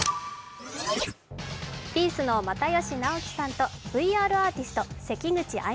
ピースの又吉直樹さんとＶＲアーティスト、せきぐちあ